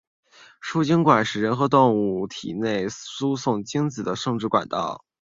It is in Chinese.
输精管是人和动物体内输送精子的生殖管道。